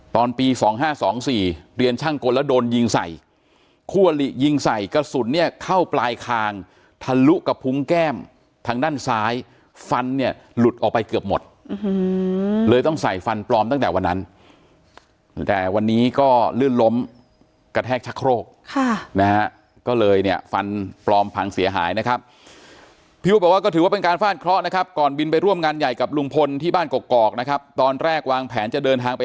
ตอนปี๒๕๒๔เรียนช่างกลแล้วโดนยิงใส่คั่วลิยิงใส่กระสุนเนี่ยเข้าปลายคางทะลุกับพุงแก้มทางด้านซ้ายฟันเนี่ยหลุดออกไปเกือบหมดเลยต้องใส่ฟันปลอมตั้งแต่วันนั้นแต่วันนี้ก็ลื่นล้มกระแทกชะโครกนะฮะก็เลยเนี่ยฟันปลอมพังเสียหายนะครับพี่อุปบอกว่าก็ถือว่าเป็นการฟาดเคราะห์นะครับก่อนบิ